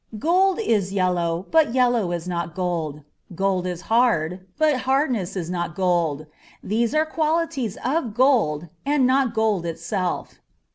Gold is yellow, but yellow is not gold; gold is hard, but hardness is not gold; these are qualities of gold, and not gold itself.